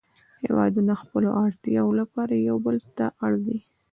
هیوادونه د خپلو اړتیاوو لپاره یو بل ته اړ دي